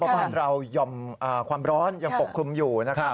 บ้านเราหย่อมความร้อนยังปกคลุมอยู่นะครับ